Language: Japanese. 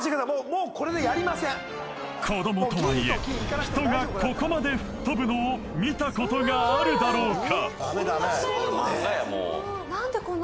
もうこれでやりません子どもとはいえ人がここまで吹っ飛ぶのを見たことがあるだろうか